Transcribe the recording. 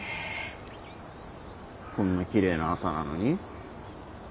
こんなきれいな朝なのに？